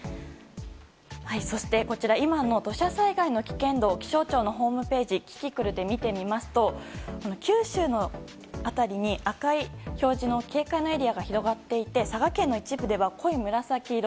そして今の土砂災害の危険度を気象庁のホームページキキクルで見てみますと九州の辺りに赤い表示の警戒エリアが広がっていて、佐賀県の一部では濃い紫色。